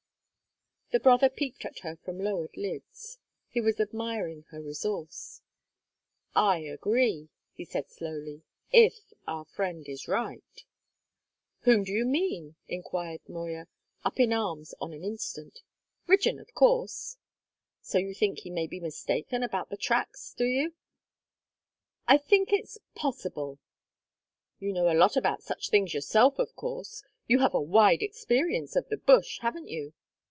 The brother peeped at her from lowered lids. He was admiring her resource. "I agree," he said slowly, "if our friend is right." "Whom do you mean?" inquired Moya, up in arms on the instant. "Rigden, of course." "So you think he may be mistaken about the tracks, do you?" "I think it's possible." "You know a lot about such things yourself, of course! You have a wide experience of the bush, haven't you?